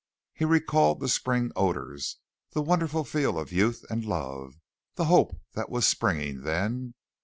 He recalled the spring odours, the wonderful feel of youth and love the hope that was springing then.